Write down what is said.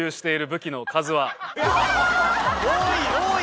多い！